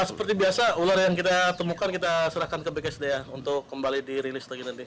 seperti biasa ular yang kita temukan kita serahkan ke bksda untuk kembali dirilis lagi nanti